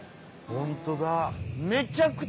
本当だ。